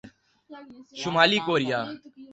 شمالی کوریا